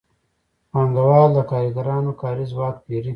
پانګوال د کارګرانو کاري ځواک پېري